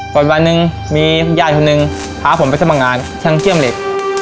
วันหนึ่งมียายคนหนึ่งพาผมไปสมัครงานช่างเชื่อมเหล็ก